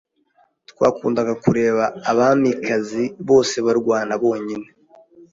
Twakundaga kureba Abamikazi bose barwana bonyine